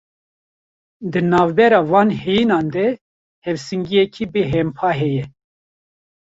Di navbera van heyînan de hevsengiyeke bêhempa heye.